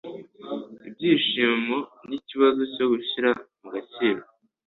Ibyishimo ni ikibazo cyo gushyira mu gaciro.